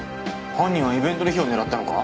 犯人はイベントの日を狙ったのか？